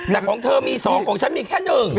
แต่ของเธอมีสองของชั้นมีแค่หนึ่ง